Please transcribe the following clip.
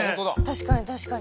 確かに確かに。